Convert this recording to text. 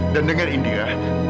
dan dengar indira